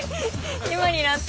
今になって。